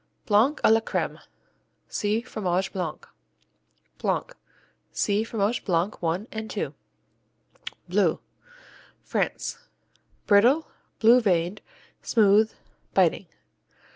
Blanc à la crème see Fromage Blanc. Blanc see Fromage Blanc I and II. Bleu France Brittle; blue veined; smooth; biting.